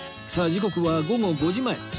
さあ時刻は午後５時前